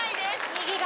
右側？